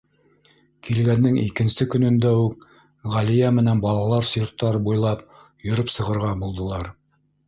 Килгәндең икенсе көнөндә үк Ғәлиә менән балалар йорттары буйлап йөрөп сығырға булдылар.